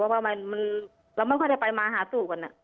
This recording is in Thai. เราไม่ค่อยได้ไปมาหาสู่กัน